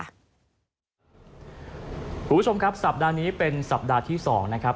คุณผู้ชมครับสัปดาห์นี้เป็นสัปดาห์ที่๒นะครับ